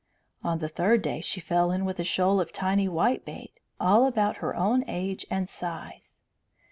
On the third day she fell in with a shoal of tiny whitebait, all about her own age and size.